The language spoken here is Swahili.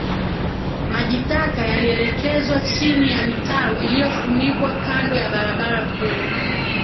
Maji taka yalielekezwa chini ya mitaro iliyofunikwa kando ya barabara kuu